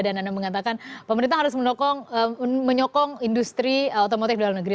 dan anda mengatakan pemerintah harus menyokong industri otomotif dalam negeri